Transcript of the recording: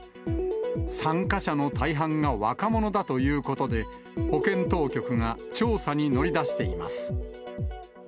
参加者の大半が若者だということで、保健当局が調査に乗り出しています。